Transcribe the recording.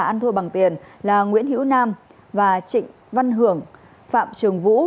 ăn thua bằng tiền là nguyễn hữu nam và trịnh văn hưởng phạm trường vũ